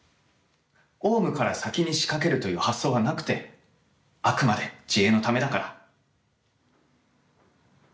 オウムから先に仕掛けるという発想はなくてあくまで自衛のためだから。